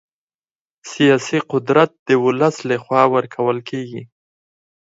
سیاسي قدرت د ولس له خوا ورکول کېږي